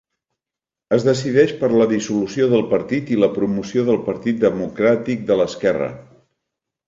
Es decideix per la dissolució del partit i la promoció del Partit Democràtic de l'Esquerra.